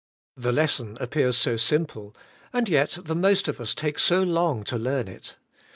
The lesson appears so simple; and yet the most of us take so long to learn it.